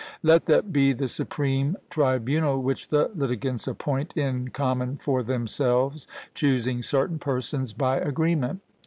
Let that be the supreme tribunal which the litigants appoint in common for themselves, choosing certain persons by agreement.